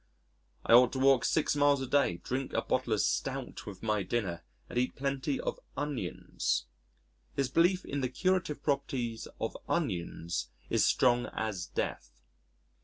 I ought to walk six miles a day, drink a bottle of stout with my dinner, and eat plenty of onions. His belief in the curative properties of onions is strong as death....